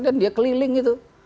dan dia keliling itu